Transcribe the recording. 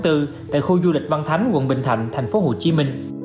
tại khu du lịch văn thánh quận bình thạnh tp hcm